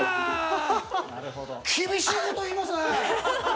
厳しいこと言いますね。